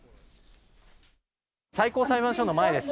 最高裁判所の前です。